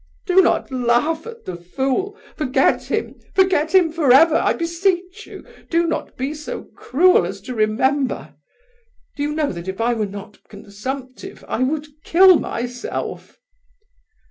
Do not laugh at the fool! Forget him! Forget him forever! I beseech you, do not be so cruel as to remember! Do you know that if I were not consumptive, I would kill myself?"